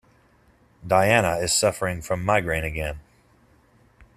Diana is suffering from migraine again.